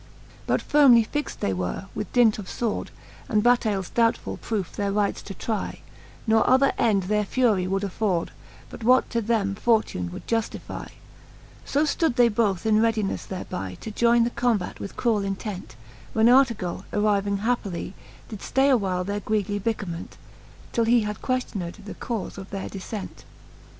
But Canto IV. the Faerie ^eene, 51 VI. But firmely fixt they were, with dint of fword, And battailes doubtfull proofe their rights to try, Ne other end their fury would afford, But what to them fortune would juftify. So flood they both in readineffe, thereby To joyne the combate with cruell intent ;^ When Artegall^ arriving happily, Did ftay a while their greedy bickerment, Till he had queftioned the caufe of their diffent.